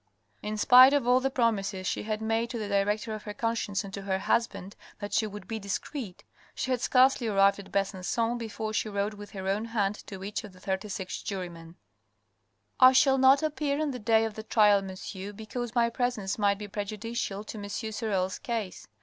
In spite of all the promises she had made to the director of her conscience and to her husband that she would be discreet, 492 THE RED AND THE BLACK she had scarcely arrived at Besancon before she wrote with her own hand to each of the thirty six jurymen :—" I shall not appear on the day of the trial, monsieur, because my presence might be prejudicial to M. Sorel's case.